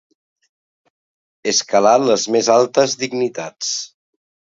Escalar les més altes dignitats.